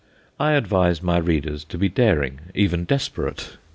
I advise my readers to be daring, even desperate.